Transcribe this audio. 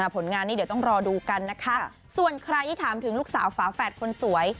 ผลงานนี้เดี๋ยวต้องรอดูกันนะคะส่วนใครที่ถามถึงลูกสาวฝาแฝดคนสวย